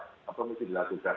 apa yang harus dilakukan